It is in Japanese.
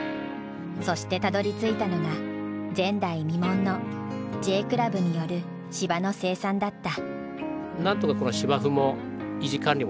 そしてたどりついたのが前代未聞のＪクラブによる芝の生産だった。